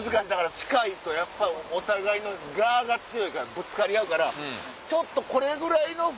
近いとお互いの我が強いからぶつかり合うからちょっとこれぐらいの。